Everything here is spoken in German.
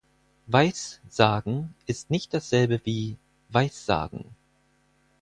"Weiß" sagen ist nicht dasselbe wie "weissagen".